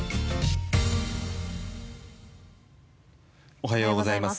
おはようございます。